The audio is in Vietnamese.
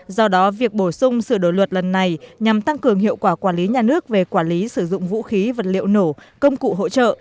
do đó việc bổ sung sửa đổi luật lần này nhằm tăng cường hiệu quả quản lý nhà nước về quản lý sử dụng vũ khí vật liệu nổ công cụ hỗ trợ